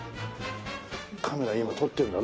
「カメラ今撮ってるだろ？